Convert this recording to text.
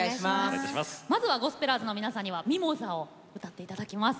まずはゴスペラーズの皆さんには「ミモザ」を歌っていただきます。